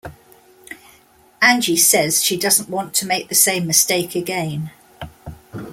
Angie says she doesn't want to make the same mistake again.